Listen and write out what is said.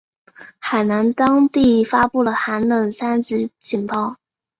海南当地发布了寒冷三级警报。